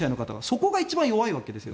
そこが一番弱いわけです。